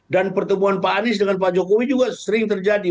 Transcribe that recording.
dan pertemuan pak anies dengan pak jokowi juga sering terjadi